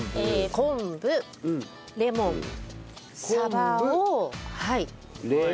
昆布レモンサバ。